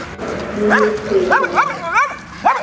n'ime steeti ahụ